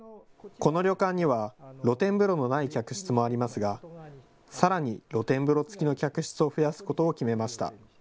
この旅館には露天風呂のない客室もありますがさらに露天風呂付きの客室を増やすことを決めました。